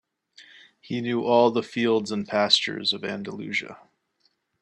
He knew all the fields and pastures of Andalusia.